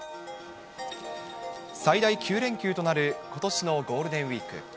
最大９連休となることしのゴールデンウィーク。